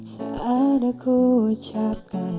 seada ku ucapkan